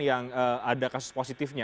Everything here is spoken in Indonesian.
yang ada kasus positifnya